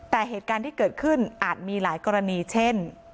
แต่เหตุการณ์ที่เกิดขึ้นอาจมีหลายกรณีเช่น